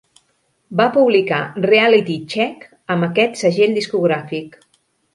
Va publicar "Reality Check" amb aquest segell discogràfic.